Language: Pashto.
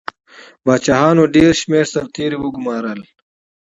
پاچاهانو ډېر شمېر سرتیري وګمارل.